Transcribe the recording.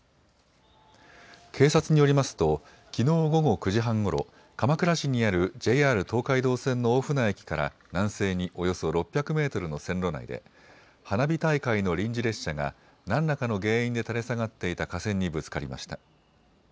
警察によりますときのう午後９時半ごろ鎌倉市にあるＪＲ東海道線の大船駅から南西におよそ６００メートルの線路内で花火大会の臨時列車が何らかの原因で垂れ下がっていた架線にぶつかりました。